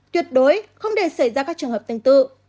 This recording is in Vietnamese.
tuyệt đối không để xảy ra các trường hợp tương tự